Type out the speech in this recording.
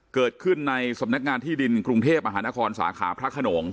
เกิดขึ้นในสำนักงานที่ดินกรุงเทพมหานครสาขาพระขนง